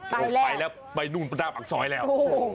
ไปแล้วไปแล้วไปนู่นปั๊ดน้ำอักซอยแล้ว